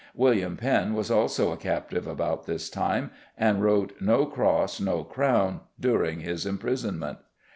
William Penn was also a captive about this time, and wrote No Cross, no Crown during his imprisonment.